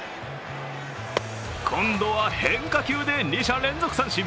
今度は変化球で２者連続三振。